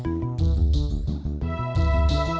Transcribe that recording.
jadi suatu waktu waktu